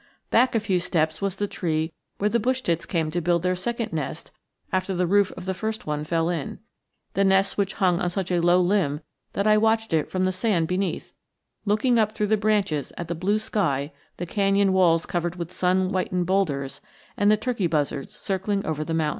Back a few steps was the tree where the bush tits came to build their second nest after the roof of the first one fell in; the nest which hung on such a low limb that I watched it from the sand beneath, looking up through the branches at the blue sky, the canyon walls covered with sun whitened bowlders, and the turkey buzzards circling over the mountains.